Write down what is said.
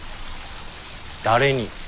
誰に？